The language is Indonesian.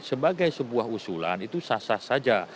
sebagai sebuah usulan itu sah sah saja